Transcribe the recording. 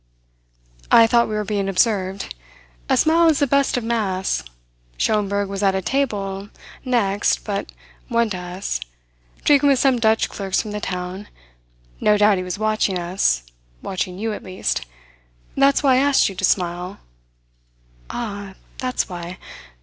"I thought we were being observed. A smile is the best of masks. Schomberg was at a table next but one to us, drinking with some Dutch clerks from the town. No doubt he was watching us watching you, at least. That's why I asked you to smile." "Ah, that's why.